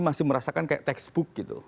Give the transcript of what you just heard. masih merasakan kayak textbook gitu